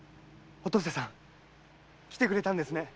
お登世さん来てくれたんですね。